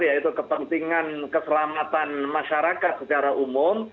yaitu kepentingan keselamatan masyarakat secara umum